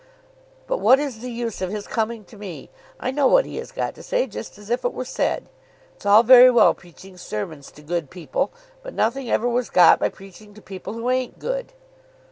"But what is the use of his coming to me? I know what he has got to say just as if it were said. It's all very well preaching sermons to good people, but nothing ever was got by preaching to people who ain't good."